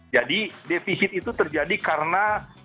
jadi defisit itu terjadi karena